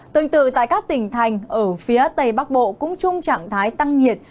tương tự tại các tỉnh thành ở phía tây bắc bộ cũng chung trạng thái tăng nhiệt